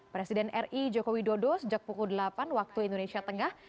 presiden ri joko widodo sejak pukul delapan waktu indonesia tengah